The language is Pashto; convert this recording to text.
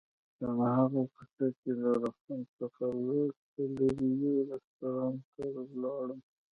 په هماغه کوڅه کې له روغتون څخه لږ څه لرې یو رستورانت ته ولاړم.